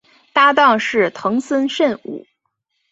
搭挡是藤森慎吾。